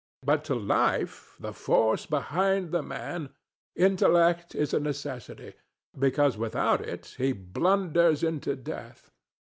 But to Life, the force behind the Man, intellect is a necessity, because without it he blunders into death.